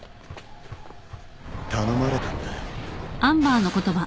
頼まれたんだよ。